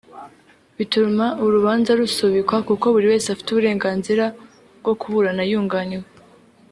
bituma urubanza rusubikwa kuko buri wese afite uburenganzira bwo kuburana yunganiwe